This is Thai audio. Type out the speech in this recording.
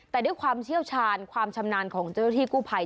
แต่ด้วยความเชี่ยวชาญความชำนาญของเจ้าหน้าที่กู้ภัย